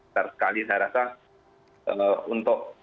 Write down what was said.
terkali saya rasa untuk